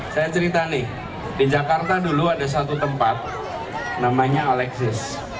saya cerita nih di jakarta dulu ada satu tempat namanya alexis